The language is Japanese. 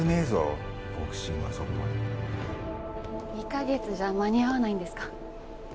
２カ月じゃ間に合わないんですか？